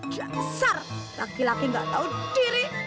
jasar laki laki nggak tahu diri